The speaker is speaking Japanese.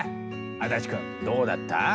足立くんどうだった？